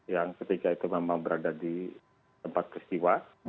yang ketika itu memang berada di tempat peristiwa